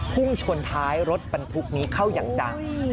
พุ่งชนท้ายรถบรรทุกนี้เข้าอย่างจัง